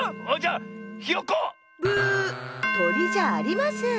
とりじゃありません。